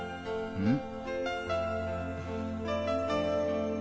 うん？